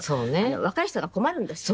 若い人が困るんですって？